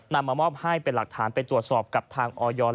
มามอบให้เป็นหลักฐานไปตรวจสอบกับทางออย